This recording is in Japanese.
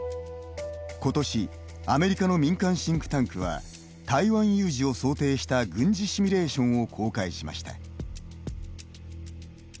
今年、アメリカの民間シンクタンクは台湾有事を想定した軍事シミュレーションを公開しました。